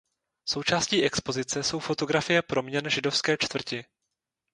Součástí expozice jsou fotografie proměn židovské čtvrti.